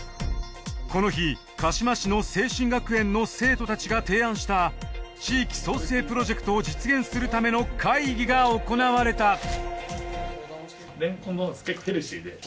この日鹿嶋市の清真学園の生徒たちが提案した地域創生プロジェクトを実現するための会議が行われた。